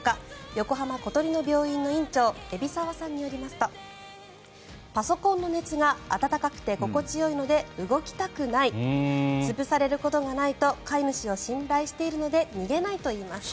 横浜小鳥の病院の院長海老沢さんによりますとパソコンの熱が温かくて心地よいので動きたくない潰されることがないと飼い主を信頼しているので逃げないといいます。